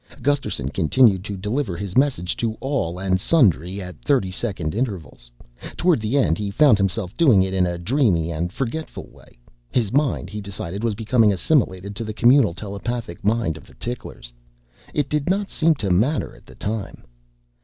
Gusterson continued to deliver his message to all and sundry at 30 second intervals. Toward the end he found himself doing it in a dreamy and forgetful way. His mind, he decided, was becoming assimilated to the communal telepathic mind of the ticklers. It did not seem to matter at the time.